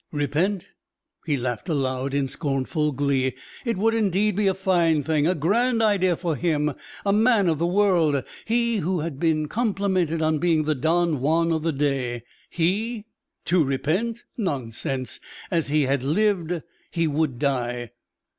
Repent? He laughed aloud in scornful glee. It would, indeed, be a fine thing, a grand idea for him, a man of the world; he who had been complimented on being the Don Juan of the day. He to repent? Nonsense! As he had lived he would die.